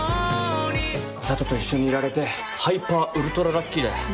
「佐都と一緒にいられてハイパーウルトララッキーだよ」